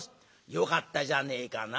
「よかったじゃねえかな」。